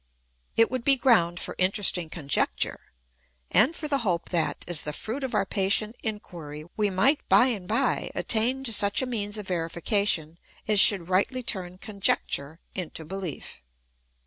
It would be ground for interesting conjecture, and for the hope that, as the fruit of our patient inquiry, we might by and by attain to such a means of verification as should rightly turn conjecture into belief.